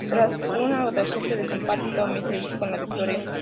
Tras una nueva votación de desempate, "Tommy" se hizo con la victoria.